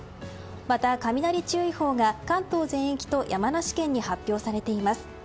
また、雷注意報が関東全域と山梨県に発表されています。